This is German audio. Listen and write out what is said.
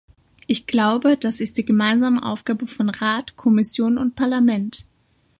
Ich glaube, das ist die gemeinsame Aufgabe von Rat, Kommission und Parlament.